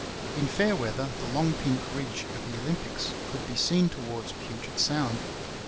In fair weather the long pink ridge of the Olympics could be seen towards Puget Sound.